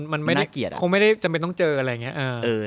มันไม่ได้จะจำเป็นต้องเจออะไรอย่างนี้